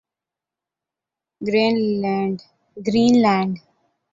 green land